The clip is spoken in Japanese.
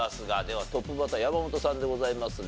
ではトップバッター山本さんでございますが。